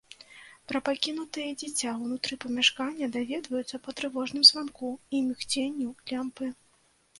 Пра пакінутае дзіця ўнутры памяшкання даведваюцца па трывожным званку і мігценню лямпы.